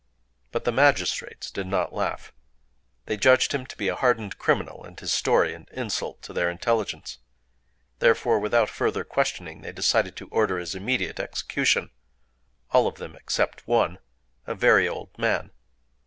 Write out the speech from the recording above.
But the magistrates did not laugh. They judged him to be a hardened criminal, and his story an insult to their intelligence. Therefore, without further questioning, they decided to order his immediate execution,—all of them except one, a very old man.